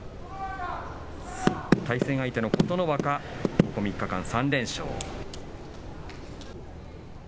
対戦相手の琴ノ若、ここ３日間３連勝。